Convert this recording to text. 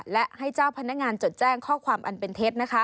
และให้เจ้าพนักงานจดแจ้งข้อความอันเป็นเท็จ